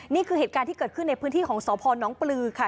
นี่คือเหตุการณ์ที่เกิดขึ้นในพื้นที่ของสพนปลือค่ะ